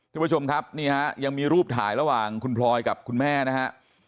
คุณผู้ชมครับนี่ฮะยังมีรูปถ่ายระหว่างคุณพลอยกับคุณแม่นะฮะ